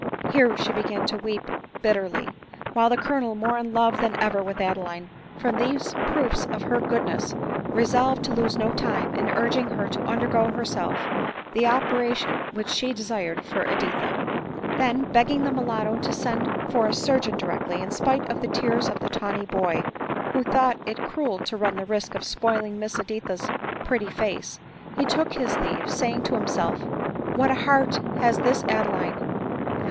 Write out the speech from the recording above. Here she began to weep bitterly ; while the Colonel, more in love than ever with Adeline from these proofs of her goodness, resolved to lose no time in urging her to undergo herself the operation which she desired for Editha. Then, begging the mulatto to send for a surgeon di 22* 254 ADELINE MOWBRAY. rectly, in spite of the tears of the tawny boy, who v thought it cruel to run the risk Qf spoiling Miss Editha's pretty face, he took his leave, saying to himself, "What a heart has this Adeline ! how.